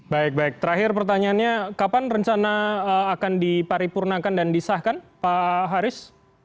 baik baik terakhir pertanyaannya kapan rencana akan diparipurnakan dan disahkan pak haris